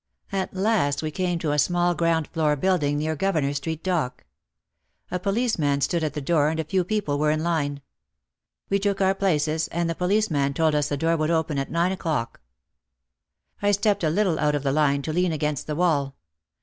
At last we came to a small ground floor building near Gouverneur Street dock. A policeman stood at the door and a few people were in line. We took our places and the police man told us the door would open at nine o'clock. I stepped a little out of the line to lean against the wall.